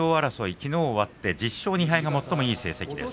きのう終わって１０勝２敗が最もいい成績です。